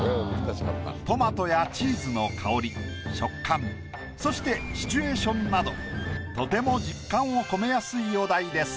トマトやチーズの香り食感そしてシチュエーションなどとても実感を込めやすいお題です。